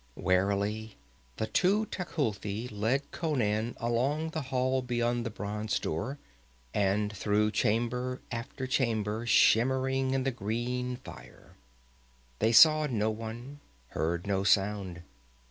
Warily the two Tecuhltli led Conan along the hall beyond the bronze door, and through chamber after chamber shimmering in the green fire. They saw no one, heard no sound.